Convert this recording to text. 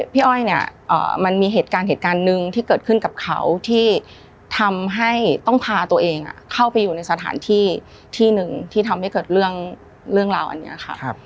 อ้อยเนี่ยมันมีเหตุการณ์เหตุการณ์หนึ่งที่เกิดขึ้นกับเขาที่ทำให้ต้องพาตัวเองเข้าไปอยู่ในสถานที่ที่หนึ่งที่ทำให้เกิดเรื่องราวอันนี้ค่ะ